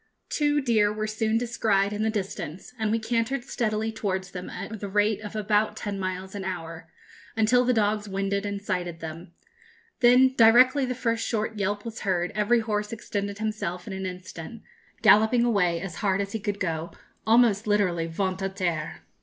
Two deer were soon descried in the distance, and we cantered steadily towards them at the rate of about ten miles an hour, until the dogs winded and sighted them. Then, directly the first short yelp was heard, every horse extended himself in an instant, galloping away as hard as he could go, almost literally ventre à terre.